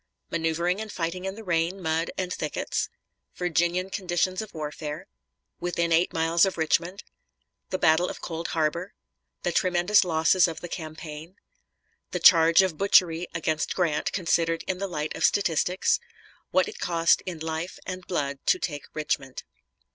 Maneuvering and fighting in the rain, mud, and thickets Virginian conditions of warfare Within eight miles of Richmond The battle of Cold Harbor The tremendous losses of the campaign The charge of butchery against Grant considered in the light of statistics What it cost in life and blood to take Richmond.